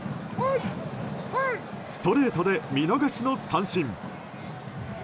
ストレートで見逃しの三振。